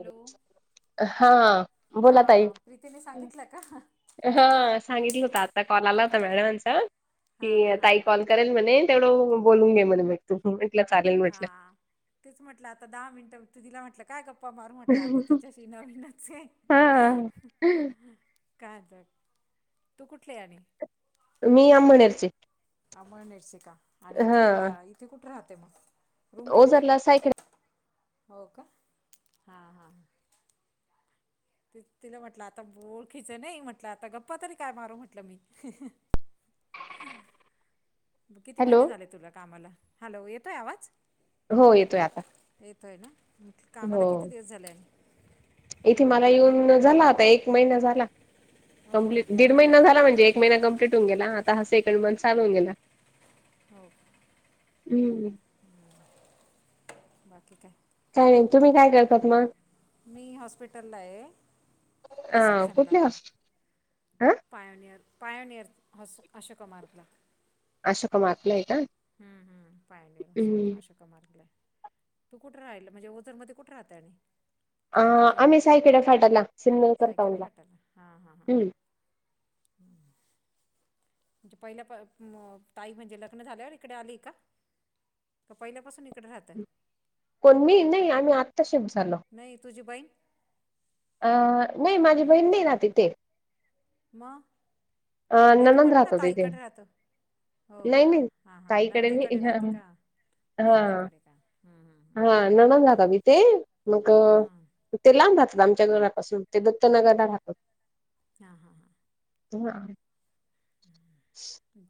Hello हा हा बोला ताई. प्रीतीने सांगितलं का हा सांगितलं होत आता कॉल आला होता मॅडमचा, हा हा की हा ताई कॉल करण म्हणे तेवढं बोलून घे म्हणे मग तू मी म्हंटलं चालेल हा म्हटलं. तेच म्हटलं आता दहा मिनटं तू तिला म्हटलं काय गप्पा मार म्हटलं आता तिच्याशी नवीनच ये. हा काय तर, तु कुठलीय आणि? मी अंबनेरची. आंबनेरची का आणि इथे राहा इथे कुठे राहते मग? रूम घेतलेय? ओझरला सायकड हो का, हा हा हा तिला म्हटलं आता ओळखीचं नाही म्हटलं आता गप्पा तरी काय मारू म्हटलं मी. किती हॅलो महिने झाले तुला कामाला हॅलो! येतोय आवाज? हो येतोय आता येतोय ना, हो कामाला किती दिवस झाले आहे? इथे मला येऊन झाला एक महिना झाला, हो का कंप्लीट दीड महिना झाला म्हणजे एक महिना कंप्लीट होऊ गेला आता सेकंड मंथ चालू होवून गेला. होव का हम्म बाकी काय? चालेल तुम्ही काय करतात मग? मी हॉस्पिटलला आहे अ कुठली हर्ष अं पायोनिअर पायोनिअर ह अशोक मारतला. अशोका मार्टला आहे का हम्म हम्म पायोनिअर हम्म हो अशोक मारतले तू कुठे राहिला म्हणजे ओझरमध्ये कुठं राहते आणि? ताई तुझी अं आम्ही साईकीड्या फाट्याला सिमनलकर सायकडे टाऊनला. फाटाला हां हां हां ह [unintelligible] म्हणजे पहिल्या पा ताई म्हणजे लग्न झाल्यावर इकडे आलीय का? का पहिल्यापासून इकडे राहताय? कोण मी नाही आम्ही आत्ता शिफ्ट झालो‌. नाही तुझी बहीण. अं नाही माझी बहीण नाही राहत इथे. मग? अ नाही तू ननंद म्हणे ना राहतात तिथे ताईकडे राहतो. हो नाही का नाही हा हा ताईकडे मी नंदेकडे हा राहते का? नंदेकडे का हम्म हम्म हम्म. नंनद राहतात इथे, मग हां ते लांब राहतात आमच्या घरापासून ते दत्तनगरला राहतात. हा हा हा [inaudible]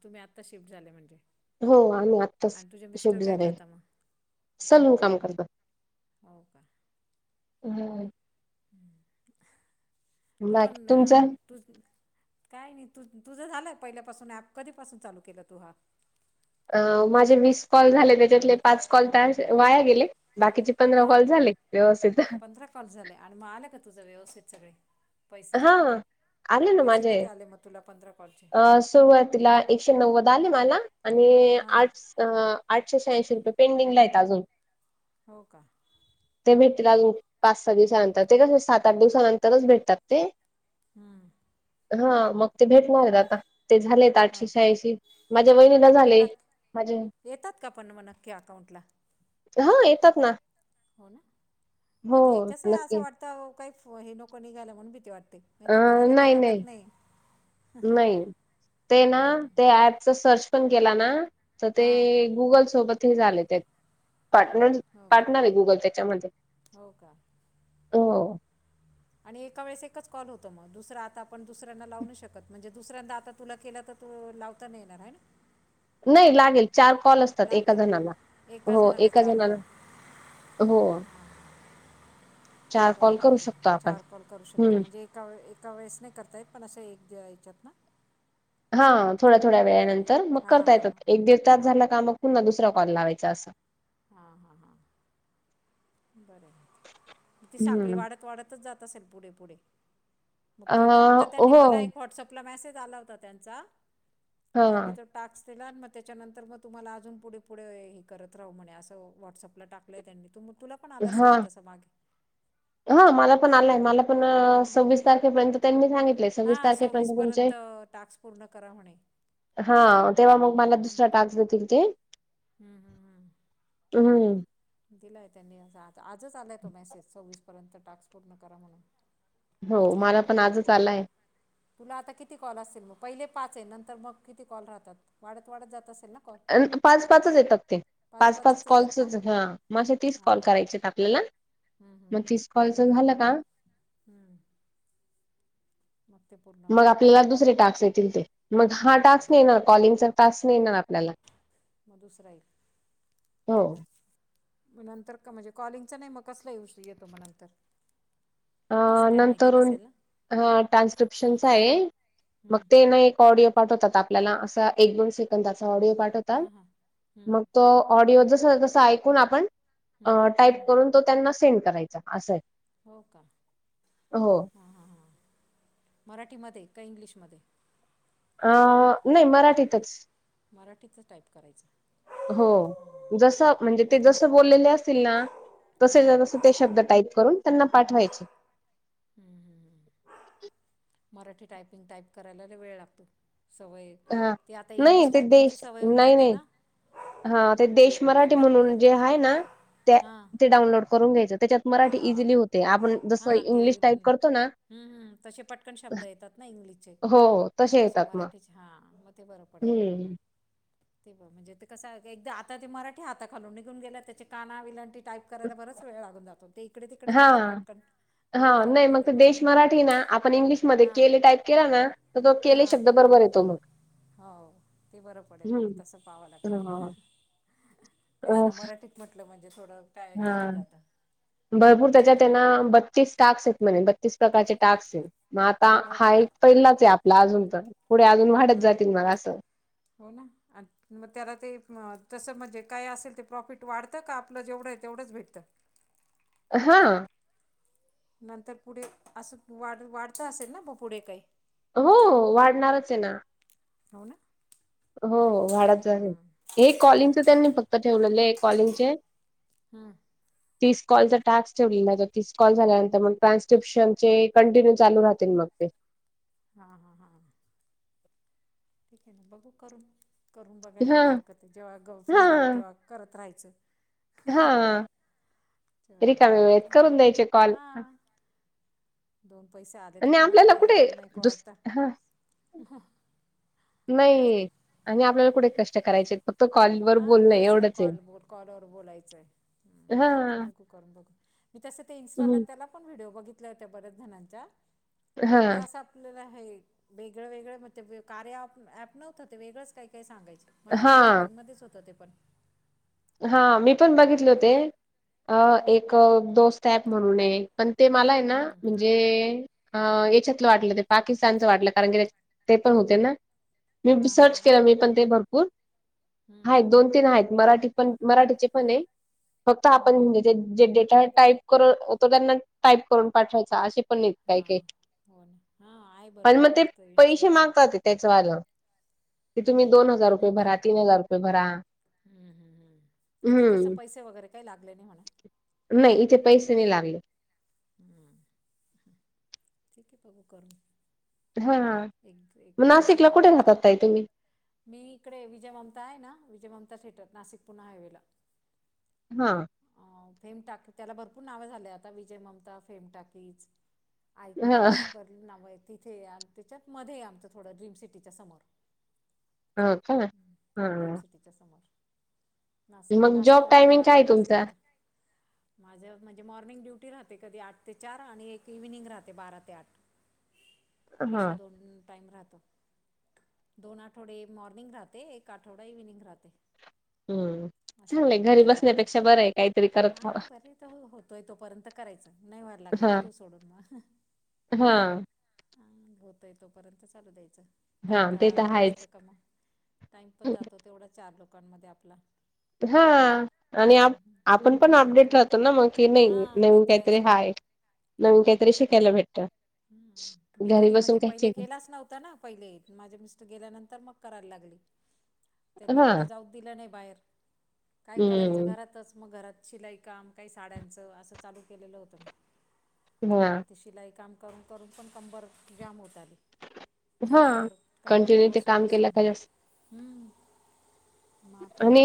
तुम्ही आता शिफ्ट झाले म्हणजे. हो आम्ही आत्ताच आणि तुझे मिस्टर शीफ्ट काय झाले. करता मग सलून काम करतात हो का ह. हम ह तू पण बाकी ना. तुमचं तुज काय नाही तू तुझं झालं पहिल्यापासून ॲप कधीपासून चालू केलं तू हा. अ माझे वीस कॉल झाले त्याच्यातले पाच कॉल त असे वाया गेले बाकीचे. पंधरा कॉल झाले व्यवस्थित अह. पाच झाले आणि मग आले का तुझं व्यवस्थित सगळे. पैसे हआले ना पैसे माझे. किती आले मग तुला पंधरा कॉलचे. अ सुरुवातीला एकशे नव्वद आले मला आणि हां आठस- अ आठशे शहाऐंशी रुपये पेंडिंगला आहेत अजून. हो का. ते भेटतील अजून पाच सहा दिवसानंतर ते कस सात आठ दिवसानंतरच भेटतात ते. हम्म. हा मग ते भेटणार आहेत आता ते झालेत. आठशे हो का शहाऐंशी माझ्या वहिणीला पण झाले नक् माझे. येतात का पण मग नक्की अकाउंटला ह येतात ना. हो ना हो कारण हे कस असं नक्की वाटतं काही फो हे नको निघाला म्हणून भीती वाटते. नाही अ तर करायला काही नाही वाटत नाही नाही तेना ते ऍपच सर्च- पण गेला ना तर ते हां गुगल सोबत ते झाले ते. पार्टनर हो का पार्टनर आहे गुगल त्याच्यामध्ये. हो का. हो. आणि एका वेळेस एकच कॉल होतो मग दुसरं आता आपण दुसऱ्यांना लावू नाही शकत म्हणजे दुसऱ्यांदा आता? तुला केला तर तू लावता नाही येणार आहे ना. नाही लागेल चार कॉल असतात एका लागतं जणाला हो एका जणाला- हो. चार कॉल करू बरबर शकतो आपण चार कॉल करू शकता हम्म म्हणजे. कॉल एका वेळेस नाही करता येत पण असं एक याच्यात ना. हा थोड्या थोड्या वेळानंतर मग हां करता हां येतात एक दीड तास झाला का मग. पुन्हा दुसरा कॉल लावायचा असं. हा हा हा. बर ती साखळी हम्म वाढत वाढतच जात असेल पुढे पुढे. मग अ ते त आता त्यांनी हो मला एक व्हॉट्सअपला मेसेज आला होता त्यांचा हा त्यांनी तर- टाक्स दिला मग त्याच्यानंतर मग तुम्हाला अजून पुढे पुढे हे करत राहू म्हणे असं व्हॉट्सअपला टाक. दिलय त्यांनी तू तुला पण आला असेल ना तसं मागे. ह मला पण आलय हे मला प- पण हां सव्वीस तारखेपर्यंत त्यांनी सांगितले हे सव्वीस हां तारखेपर्यंत तुमचे. सव्वीसपर्यंत टास्क पूर्ण करा म्हणे हा तेव्हा मग मला दुसरा टास्क देतील ते. हम्म हम्म हम्. हम्म. दिलाय त्यांनी अस आताआजच आलाय तो मेसेज सव्वीस पर्यंत टास्क पूर्ण करा म्हणून. हो पाच कॉल मला पण पू आजच पूर्ण. आलाय तुला आता किती कॉल असेल मग पहिले पाच हे नंतर मग किती कॉल राहतात वाढत वाढत जात असेल ना. कॉल अ पाच पाचच येतात ते पाच पाच पाचच येतात का कॉल्सच हा. म असे तीस हां कॉल हां करायचेत आपल्याला हम्म हम्म मग हम्म तीस कॉलचं झालं का? हम्म, मग ते पूर्ण. मग होतं आपल्याला दुसरे टास्क येतील ते मग हा हो का टास्क नाही येणार कॉलिंगचा टास्क नाही येणार. आपल्याला मग दुसरा एक. हो नंतर का म्हणजे कॉलिंगचा नाही मग कसला येऊस येतो मग नंतर. आ तसं काय माहिती नंतर नसेल ना ट्रान्स्क्रिप्शनच आहे मग हं, ते ना एक ऑडिओ पाठवतात आपल्याला असा एक दोन सेकंदाचा ऑडिओ पाठवतात हां हां हं, मग तो. ऑडिओ जस तसं ऐकून आपण हं, हं. टाईप करून तो त्यांना सेंड करायचा असं आहे. हो का हो हां हां हां मराठीमध्ये का इंग्लिशमध्ये? अ नाही मराठीतच. मराठीच टाईप करायचं. हो जस म्हणजे ते जस बोललेले असतील ना तस हां हं, ते शब्द टाईप करून त्यांना पाठवायचे. हम्म हम् हम् मराठी टायपिंग टाईप करायलाला वेळ लागतो सवय हा ते आता नाही इंग्लिश ते टायपिंगची देश सवय होऊन नाही जाते नाही ना, हा ते देश ते मराठी करा म्हणून जे आहे ना ते हां ते डाऊनलोड, करून घ्यायच त्याच्यात मराठी हा इझिली होते आपण हा जसं ते इंग्लिश टाईप हम् करतो ना हम् तसे पटकन शब्द येतात ना इंग्लिशचे हो तसे येतात मग मराठीचे हा मग ते बरं पडेल मग हम्म ते ब म्हणजे ते कसं एकदा आता ते मराठी हाता खालून निघून गेला त्याचे काना विलांटी टाईप करायला बराच वेळ ते इकडे तिकडे हा राहतात पटकन हा वेळ नाही लागतो मग ते त्याला देश मराठी ना आपण इंग्लिशमध्ये हां केले टाईप केला ना तर तो केले हां शब्द बरोबर येतो मग, हो ते बरं पडेल मग हम्म तस पावं लागल हा तेच अ, ना मराठी, तेच म्हटलं म्हणजे थोड कायलच होउन जात. तेन बतीस टास म्ह बतीस प्रचे टास्स मग आ हो हा का एक पहिलाच अजून तर पुढे अजून वाढत हम्म जातील मला असं, हो ना, आणि मग त्याला ते तसं म्हणजे काय असेल ते प्रॉफिट वाढतं का आपलं जेवढं आहे तेवढंच भेटतं. हा.. नंतर पुढे असं वाढ वाढचां असेल ना ब पुढे काही, हो वाढणारच ये ना. हो ना, हो हो वाडात झाइ हां हे कॉलिंगच त्यांनी फक्त ठेवलेले कॉलिंगचे, हा, तीस कॉलचा टास्क ठेवलेलं नाही तर तीस कॉल झाल्यानंतर मग ट्रान्स्क्रिप्शनचे कंटिन्यू चालू राहतील मग ते. हा हा हा. ठीक आहे ना बघू करून करून बघायला हा काय हरकत आहे जेव्हा फ्री राहू हा तेव्हा करत राहायचं. हा चालेल रिकाम्या वेळेत चांगलं करून द्यायचे कॉल. हां दोन पैसे आले तर आणि कोणाला आपल्याला नाही कुठे राहत नाही का नको दुस हा वाटत. नाही आणि आपल्याला कुठे कष्ट करायचे फक्त कॉलवर हा बोलणं तेच ना एवढंच आहे. कॉल बोल कॉल वरबोलायचंय हा बघू करून बघू मी तस ते इनस्टॉल हम्म त्याला व्हिडिओ बघितल्या होत्या बऱ्याचर जणच्या हा त्या अस आप आपल्याला हे वेगळं वेगळं म्हण कार्य ऍप नव्हतं ते वेगळंच काय काय सांगायचं मराठी हा टायपिंगमध्येच होतं ते पण हा मी पण हम्म, बघितले मराठी अ हां एक दोस्त ऑप म्हणून ऐ पण ते मला ऐ ना हम्म, म्हणजे ह याच्यातलं वाटलं ते पाकिस्तानच वाटलं कारण की ते पण होते ना मी हां हां सर्च हां केलं मी पण ते भरपूर हम्म, आहेत दोन तीन आहेत मराठी ण मराठीचे पण आहे फक्त आपण हम्म, हंदी जे डेटा टाईप करून होतो त्यांना टाईप करून पाठवायचा असे दे पण काय काय हां हो ना हां आहे पण भरपूर मग ते वाटतं पैसे इन्स्टाला मागतात ते त्याच वालं की तुम्ही दोन हजार रुपये भरा तीन हजार रुपये भरा हम् हम्म हम्म इथे तस हम्म पैसे वगैरे काही लागले नाही म्हणा नाही इथे पैसे नाही लागले हम ह ठीक हे बघू करून हा एक एक मग दोन नाशिकला सेकंद कुठे अजून जातात ताई तुम्ही मी इकडे विजय ममता आहे ना विजय ममता थिएटर नाशिक पुणा हायवेला हा अ फेम टा त्याला भरपूर नावं झाले आता विजय ममता फेम टाकीज हा आयनॉक्स बर्ल नाव आहे तिथे आणि त्याच्यात मध्ये हे आमचं थोडं ड्रीम सिटीच्या समोर हो का हम्म ड्रीम हा सिटीच्या समोर नाशिक मग नाशिक जॉब रोडला टायमिंग काय आहे जातानाच तुमचा? लागतं माझं म्हणजे मॉर्निंग ड्युटी राहत कधी आठ ते चार आणि एक इव्हनिंग राहते बारा ते आठ हा अशा दोन टाईम राहतो दोन आठवडे मॉर्निंग राहते एक आठवडा इव्हनिंग राहते हम्म असं होत चांगलंय घरी बारा ते आठच्या बसण्यापेक्षा बरं आहे काहीतरी हा करत राहावा बरे तर होतोय तोपर्यंत च नाही व्हायला लागलं का हा देवू सोडून मग हा हा हा होतयं तोपर्यंत चालू द्यायचं हा ते कंटाळा आला तर जास्त आहेच कामग टाइम पण जातो तेवढा चार लोकांमध्ये आपला हा आणि हम्म, आपण आणि पण भरपूर अपडेट भरपूर राहतो ना मग कि नाही हा ते नवीन तर काही तरी आहेच ना हाय नवीन हम्म, काहीतरी शिकायला भेटत हम्म. मी घरी कधी बसून म्हणजे काय पहिले ते केलाच नव्हता ना पहिले माझे मिस्टर गेल्यानंतर मग करायला लागली त्यांनी हा कधी जाऊ दिलं नाही बाहेर काय करायचं हम्म घरातच मग घरात शिलाई काम काही साड्यांचं असं चालू केलेलं होतं मी तर हाआ ते शिलाई काम करून करून पण कंबर जाम होत आली हा कंबर कंटिन्यू ते बसून काम केलं बसून का जास्त हम्म आणि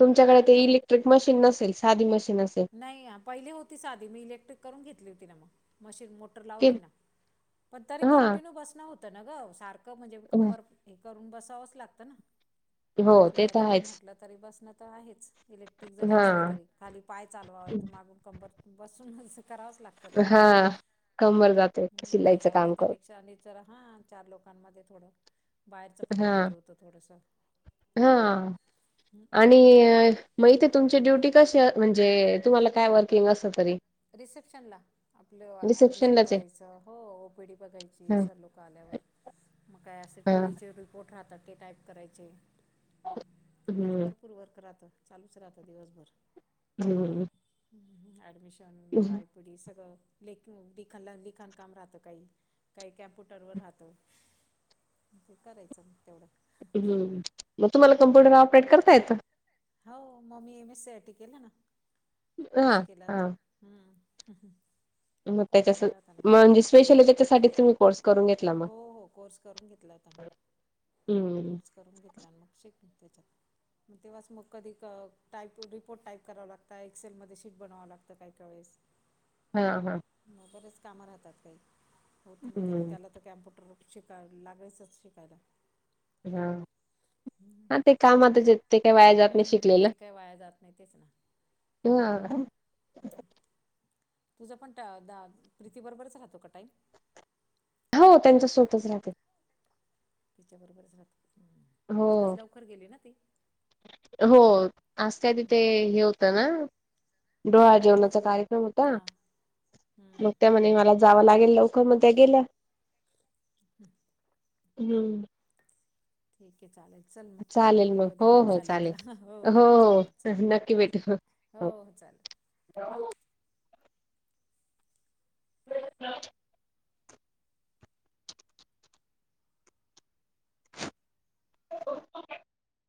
तुमच्याकडे ते इलेक्ट्रिक मशीन नसेल साधी मशीन असेल नाही पहिले होती साधी मी इलेक्ट्रिक करून घेतली होती ना मग मशीन मो टर की लावली ना पण तरी हा कंटिन्यू बसणं होत ना गं सारखं म्हणजे कंबर करून बसावचं लागतं ना हो ते तर शिवायला पण आहेच म्हटलं तरी बसणं तर आहेच इलेक टक्ट्रिक जरी हा असलं तरी खाली पाय चालवावे त मागून कंबर बसूनं करावंच लागतं करते हा कंबर जाते म्हणून म्हटलं शिलाईचं जाऊ दे काम करत त्यापेक्षा अने तर हां चार लोकांमध्ये थोडं बाहेरचं पण माहिती होतं थोडसं हां, आणि म इथे तुमची ड्युटी कशी अ, म्हणजे तुम्हाला काय वर्किंग असत तरी? रिसेप्शनला. आपलं ऍडमिशन रिसेप्शनलाच आहे करायचं, हो ओ पी डी बघायची, ह सर लोक क आल्यावर. मग काय असे टु ह डी चे रिपोर्ट राहतात, ते टाईप करायचे. हं. फुल वर्क राहतं चालूच राहतं दिवसभर. हं. हं हं. ॲडमिशन म काय? पुढी सगळं लेख लिखण लिखाण काम राहतं काही. काही कॅम्प्युटर वर राहतं. ते करायचं म तेवढं. हं. मग तुम्हाला कम्प्युटर ऑपरेट करता येतं? हो. म मी M S C I T केलं ना. कोर्स हा केला ना हा मी. हं. मग कोर्स त्याच्या केला होता ना मी. म्हणजे स्पेशली हं. त्याच्यासाठी तुम्ही कोर्स करून घेतला मग हो हो कोर्स करून घेतलाय ता मी. हं. कोर्स करून घेतला अन मग शिकली त्याच्यात. म तेव्हाच मग कधी क टाईपो रिपोर्ट टाईप करावा लागता. एक्सेलमध्ये शीट बनवावं लागतं काही काही वेळेस. हं हं. म बरेच कामं राहतात काही, होत मग ते हम्म त्याला तर कॅम्प्युटर शिकाय लागायच शिकायला. हं. हा ते कामातच येतं. हं ते काही वाया जात नाही. तेच ना. ह तुझा पण ट द प्रीती बरोबरच राहतो का टाईम? हो त्यांच्या सोबतच राहतो. तिच्याबरोबरच राहतो, हं. हो. हो आज त्या तिथे हम्म हे होतं ना, डोहाळ जेवणाचा कार्य क्रम होता. हा मग हम्म त्या म्हणे मला जावं लागेल लवकर मग त्या गेल्या. [unintelligible] हं. ठीके, चालेल चल मग. चालेल भेटू मग कधी हो भेट हो झाली चालेल तर. हो हो. चालेल चल, हां. हो हो चालल. [inaudible] [unintelligible] [inaudible]